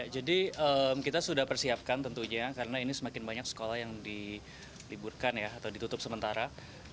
jadi kita sudah persiapkan tentunya karena ini semakin banyak sekolah yang diliburkan atau ditutup sementara